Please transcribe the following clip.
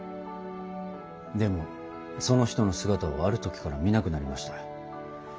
でもその人の姿はある時から見なくなりました。